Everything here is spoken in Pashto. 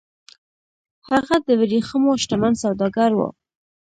هغه د ورېښمو شتمن سوداګر و